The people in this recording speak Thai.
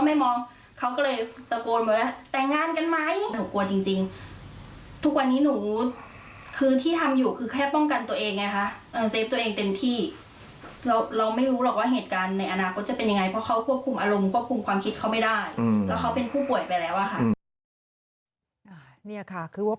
แล้วเขาเป็นผู้ป่วยไปแล้วค่ะ